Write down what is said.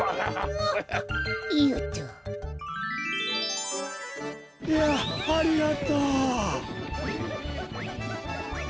いやありがとう。